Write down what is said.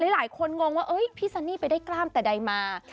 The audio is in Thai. หลายคนงงว่าพี่ซันนี่ไปได้กล้ามแต่ใดมา